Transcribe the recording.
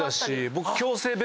僕。